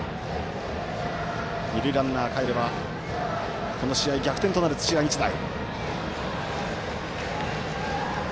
二塁ランナーかえればこの試合、逆転となる土浦日大。